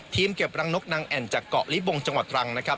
เก็บรังนกนางแอ่นจากเกาะลิบงจังหวัดตรังนะครับ